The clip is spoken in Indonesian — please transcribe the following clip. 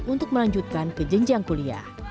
untuk melanjutkan ke jenjang kuliah